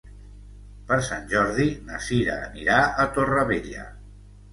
Per Sant Jordi na Sira anirà a Torrevella.